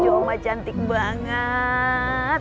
cucu oma cantik banget